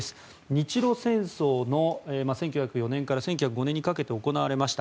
日露戦争の１９０４年から１９０５年にかけて行われました。